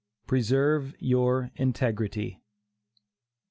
PRESERVE YOUR INTEGRITY.